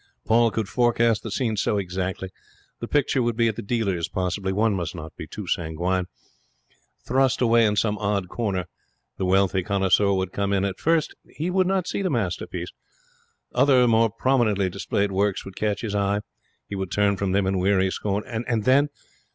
Paul could forecast the scene so exactly. The picture would be at the dealer's, possibly one must not be too sanguine thrust away in some odd corner. The wealthy connoisseur would come in. At first he would not see the masterpiece; other more prominently displayed works would catch his eye. He would turn from them in weary scorn, and then!...